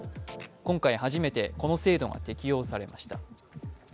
今回初めてこの制度が適用されました。